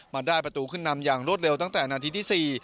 มาได้ประตูขึ้นนำอย่างรวดเร็วตั้งแต่นาทีที่๔